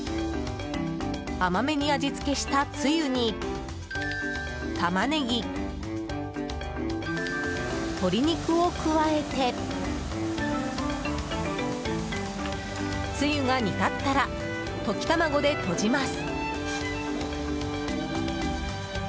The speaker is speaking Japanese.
甘めに味付けしたつゆにタマネギ、鶏肉を加えてつゆが煮立たったら溶き卵でとじます。